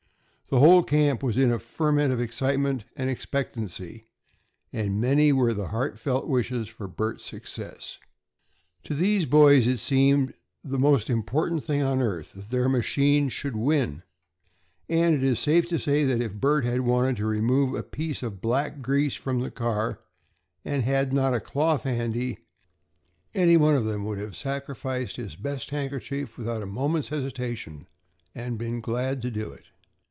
The whole camp was in a ferment of excitement and expectancy, and many were the heartfelt wishes for Bert's success. To these boys it seemed the most important thing on earth that their machine should win, and it is safe to say that if Bert had wanted to remove a piece of black grease from the car and had not a cloth handy, any one of them would have sacrificed his best handkerchief without a moment's hesitation, and been glad to do it.